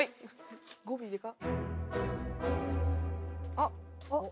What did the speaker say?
あっ。